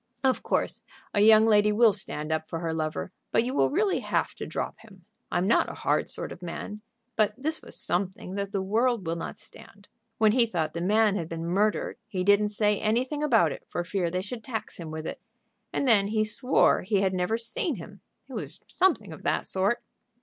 "Of course a young lady will stand up for her lover, but you will really have to drop him. I'm not a hard sort of man, but this was something that the world will not stand. When he thought the man had been murdered he didn't say anything about it for fear they should tax him with it. And then he swore he had never seen him. It was something of that sort."